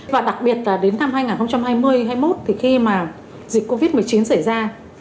và đặc biệt là đến năm hai nghìn hai mươi hai nghìn hai mươi một thì khi mà dịch covid một mươi chín xảy ra